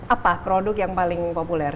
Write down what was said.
apa produk yang paling populer